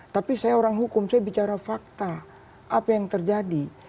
tapi saya orang hukum saya bicara fakta apa yang terjadi